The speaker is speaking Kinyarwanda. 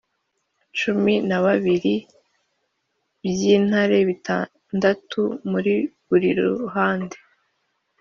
cumi na bibiri by intare bitandatu muri buri ruhande